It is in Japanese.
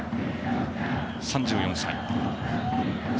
３４歳。